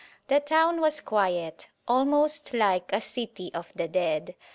The town was quiet, almost like a city of the dead.